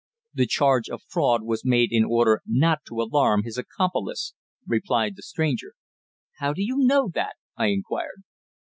"The charge of fraud was made in order not to alarm his accomplice," replied the stranger. "How do you know that?" I inquired.